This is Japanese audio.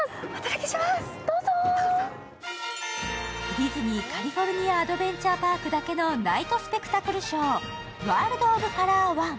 ディズニー・カリフォルニア・アドベンチャー・パークだけのナイトスペクタルショー、「ワールド・オブ・カラー：ワン」。